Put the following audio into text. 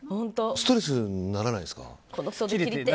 ストレスにならないですか？